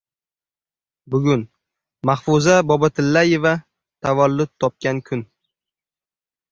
Bugun Mahfuza Bobotillayeva tavallud topgan kun